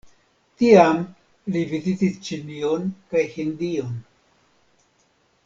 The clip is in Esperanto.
Tiam li vizitis Ĉinion kaj Hindion.